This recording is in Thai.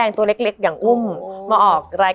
มันทำให้ชีวิตผู้มันไปไม่รอด